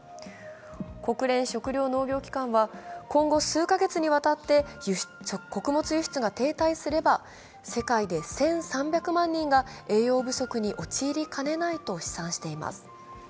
国連食糧農業機関は今後数カ月にわたって穀物輸出が停滞すれば、世界で１３００万人が栄養不足に陥りかねないと試算しています。